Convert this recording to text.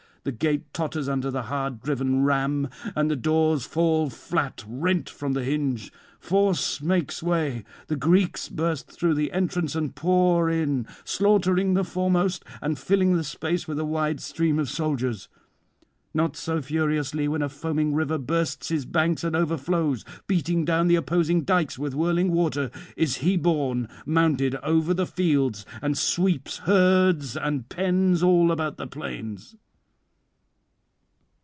The gate totters under the hard driven ram, and the doors fall flat, rent from the hinge. Force makes way; the Greeks burst through the entrance and pour in, slaughtering the foremost, and filling the space with a wide stream of soldiers. Not so furiously when a foaming river bursts his banks and overflows, beating down the opposing dykes with whirling water, is he borne mounded over the fields, and sweeps herds and [499 529]pens all about the plains.